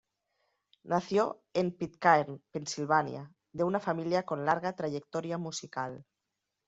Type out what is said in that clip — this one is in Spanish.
Nació en Pitcairn, Pensilvania, de una familia con larga trayectoria musical.